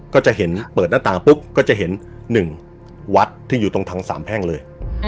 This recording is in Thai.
ก็จะเห็นเปิดหน้าต่างปุ๊บก็จะเห็น๑วัดที่อยู่ตรงทางสามแพ่งเลย